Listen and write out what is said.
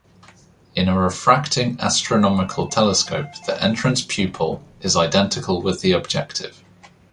In a refracting astronomical telescope the entrance pupil is identical with the objective.